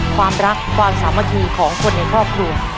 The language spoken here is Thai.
ความรักความสามัคคีของคนในครอบครัว